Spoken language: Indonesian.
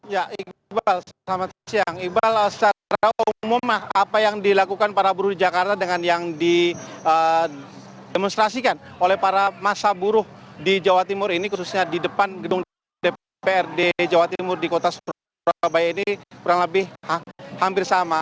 ya iqbal selamat siang iqbal secara umum apa yang dilakukan para buruh di jakarta dengan yang didemonstrasikan oleh para masa buruh di jawa timur ini khususnya di depan gedung dprd jawa timur di kota surabaya ini kurang lebih hampir sama